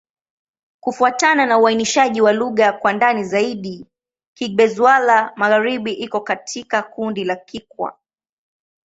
Kufuatana na uainishaji wa lugha kwa ndani zaidi, Kigbe-Xwla-Magharibi iko katika kundi la Kikwa.